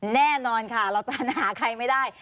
แน่นอนค่ะเราจะหาใครไม่ได้